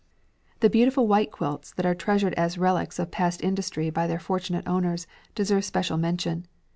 The beautiful white quilts that are treasured as relics of past industry by their fortunate owners deserve special mention.